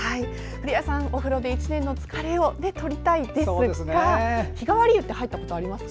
古谷さん、１年の疲れをお風呂で取りたいですが日替わり湯って入ったことありますか？